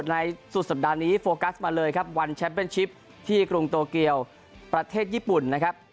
ในสุดสัปดาห์นี้มาเลยครับวันที่กรุงโตเกียวประเทศญี่ปุ่นนะครับ